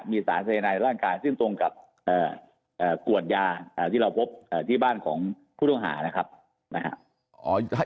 มีสารสายนายร่างกายซึ่งตรงกับขวดยาที่เราพบที่บ้านของผู้ต้องหานะครับ